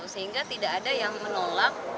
sehingga tidak ada yang menolak